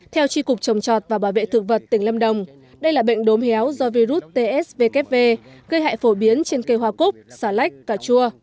theo tri cục trồng chọt và bảo vệ thực vật tỉnh lâm đồng đây là bệnh đốm héo do virus tsvkv gây hại phổ biến trên cây hoa cúc xà lách cà chua